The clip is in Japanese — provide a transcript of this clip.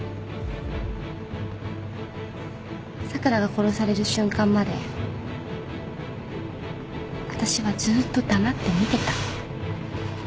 咲良が殺される瞬間まで私はずっと黙って見てた。